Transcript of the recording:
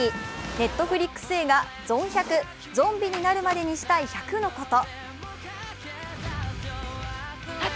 Ｎｅｔｆｌｉｘ映画「ゾン１００ゾンビになるまでにしたい１００のこと」。